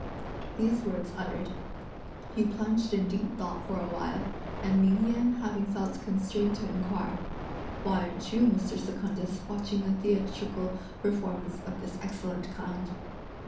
These words uttered, he plunged in deep thought for a while, and Ming Yen having felt constrained to inquire: "Why aren't you, Mr. Secundus, watching a theatrical performance of this excellent kind?"